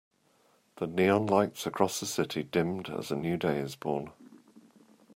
The neon lights across the city dimmed as a new day is born.